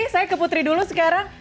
saya ke putri dulu sekarang